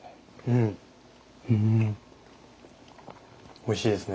おいしいですね。